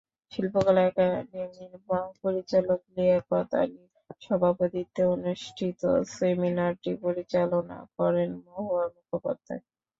শিল্পকলা একাডেমির মহাপরিচালক লিয়াকত আলীর সভাপতিত্বে অনুষ্ঠিত সেমিনারটি পরিচালনা করেন মহুয়া মুখোপাধ্যায়।